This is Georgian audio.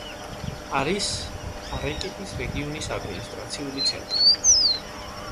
არის არეკიპის რეგიონის ადმინისტრაციული ცენტრი.